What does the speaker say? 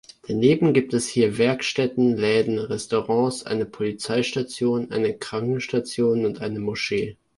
Daneben gibt es hier Werkstätten, Läden, Restaurants, eine Polizeistation, eine Krankenstation und eine Moschee.